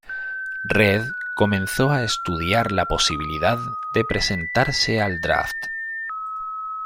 Redd comenzó a estudiar la posibilidad de presentarse al draft.